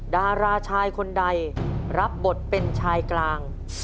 ดาราชายคนใดรับบทเป็นชายกลาง